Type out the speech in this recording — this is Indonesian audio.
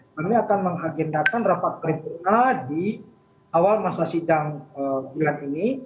kami akan mengagendakan rapat paripurna di awal masa sidang bulan ini